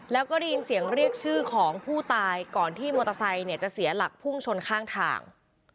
แล้วก็ได้ยินเสียงเรียกชื่อของผู้ตายก่อนที่มอเตอร์ไซค์เนี่ยจะเสียหลักพุ่งชนข้างทาง